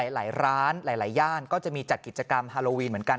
หลายร้านหลายย่านก็จะมีจัดกิจกรรมฮาโลวีนเหมือนกัน